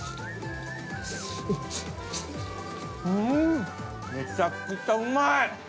うんめちゃくちゃうまい！